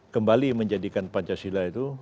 kembali menjadikan pancasila itu